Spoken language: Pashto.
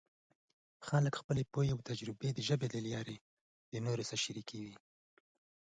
خلک خپلې پوهې او تجربې د ژبې له لارې نورو سره شریکوي.